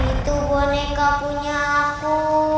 itu boneka punya aku